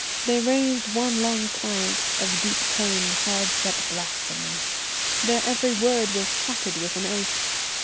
They raised one long plaint of deep toned, hard set blasphemy. Their every word was shotted with an oath.